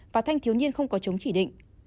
và thanh thiếu nhiên không có chống chỉ định